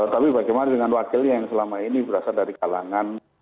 tapi bagaimana dengan wakilnya yang selama ini berasal dari kalangan